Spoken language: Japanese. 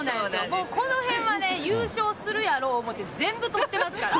もうこのへんはね、優勝するやろう思って、全部取ってますから。